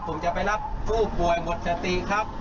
ผมจะไปรับผู้ป่วยหมดสติครับ